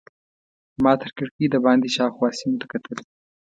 ما تر کړکۍ دباندې شاوخوا سیمو ته کتل.